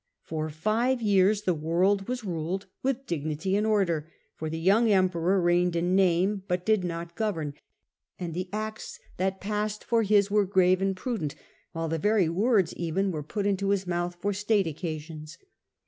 For five years the world was ruled with dignity and order, for the young Emperor reigned in name, but did not 102 The Earlier Empire. a.d. 54 68. govern, and the acts that passed for his were grave and prudent, while the very words even were put into his mouth for state occasions.